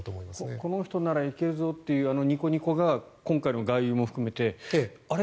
この人ならいけるぞというあのニコニコが今回の外遊も含めてあれ？